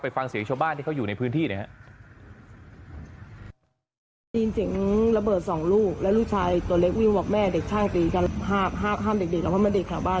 ฟังเสียงชาวบ้านที่เขาอยู่ในพื้นที่หน่อยครับ